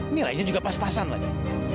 nilainya juga pas pasan lagi